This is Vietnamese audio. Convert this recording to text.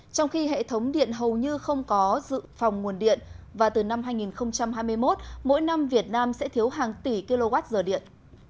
trong khi hệ thống điện hầu như không có dự phòng nguồn điện và từ năm hai nghìn hai mươi một mỗi năm việt nam sẽ thiếu hàng tỷ kwh điện